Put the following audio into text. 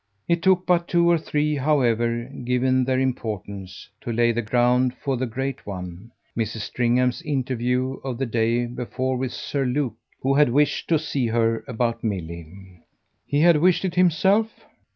It took but two or three, however, given their importance, to lay the ground for the great one Mrs. Stringham's interview of the day before with Sir Luke, who had wished to see her about Milly. "He had wished it himself?"